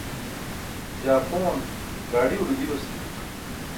jaa phon gaaḍiulo diwasimi